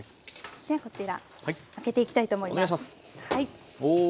ではこちら開けていきたいと思います。